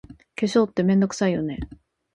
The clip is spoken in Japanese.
化粧って、めんどくさいよね。